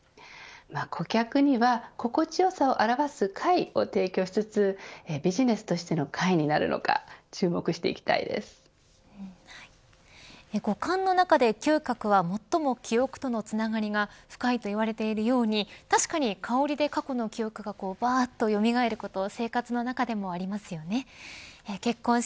顧客には心地よさを表す快を提供しつつビジネスとしての快になるのか五感の中で嗅覚は最も記憶とのつながりが深いといわれているように確かに香りで、過去の記憶がばあっとよみがえることも生活の中でもありますよね。